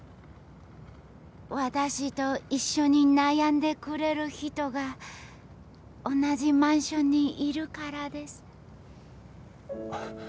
私と一緒に悩んでくれる人が同じマンションにいるからです。